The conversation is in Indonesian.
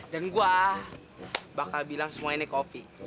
dan gua bakal bilang semua ini kopi